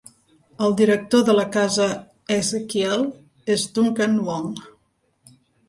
El director de la casa Ezechiel és Duncan Wong.